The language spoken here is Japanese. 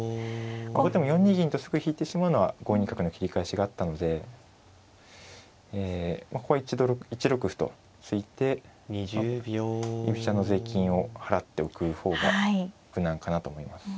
後手も４ニ銀とすぐ引いてしまうのは５ニ角の切り返しがあったのでここは一度１六歩と突いて居飛車の税金を払っておく方が無難かなと思います。